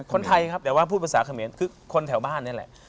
คนไทยครับแต่ว่าพูดภาษาเขมรคือคนแถวบ้านนี่แหละ